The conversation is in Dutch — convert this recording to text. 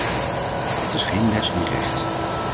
Het is geen les in recht.